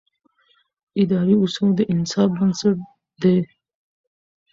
اداري اصول د انصاف بنسټ دی.